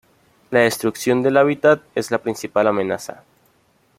La destrucción del hábitat es la principal amenaza.